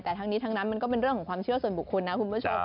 แต่ทั้งนี้ทั้งนั้นมันก็เป็นเรื่องของความเชื่อส่วนบุคคลนะคุณผู้ชม